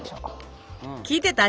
聞いてた？